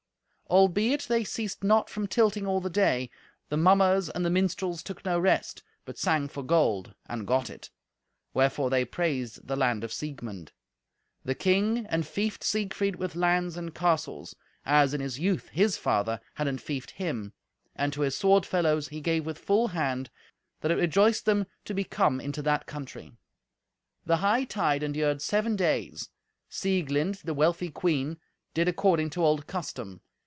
Albeit they ceased not from tilting all the day, the mummers and the minstrels took no rest, but sang for gold and got it; wherefore they praised the land of Siegmund. The king enfeoffed Siegfried with lands and castles, as in his youth his father had enfeoffed him, and to his sword fellows he gave with full hand, that it rejoiced them to be come into that country. The hightide endured seven days. Sieglind, the wealthy queen, did according to old custom.